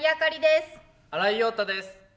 新井庸太です。